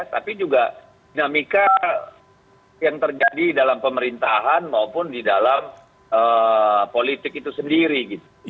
tapi juga dinamika yang terjadi dalam pemerintahan maupun di dalam politik itu sendiri